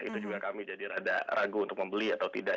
itu juga kami jadi ragu untuk membeli atau tidak